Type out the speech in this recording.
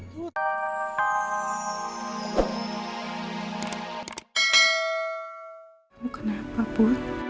lo kenapa bu